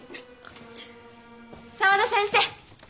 沢田先生。